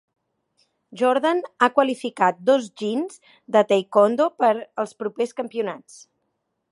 Jordan ha qualificat dos "jins" de taekwondo per als propers campionats.